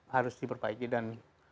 harus diperbaiki dan